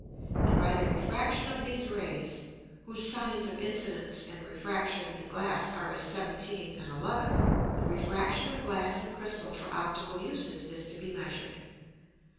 And by the Refraction of these Rays (whose Sines of Incidence and Refraction in Glass are as 17 and 11) the Refraction of Glass and Crystal for Optical Uses is to be measured.